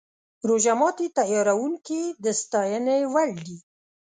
روژه ماتي تیاروونکي د ستاینې وړ دي.